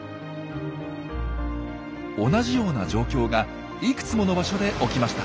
同じような状況がいくつもの場所で起きました。